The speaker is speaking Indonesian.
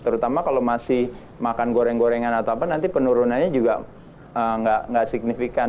terutama kalau masih makan goreng gorengan atau apa nanti penurunannya juga nggak signifikan